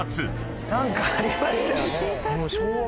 何かありましたよね。